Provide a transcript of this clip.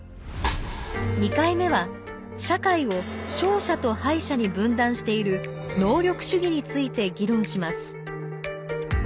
２回目は社会を「勝者」と「敗者」に分断している能力主義について議論します。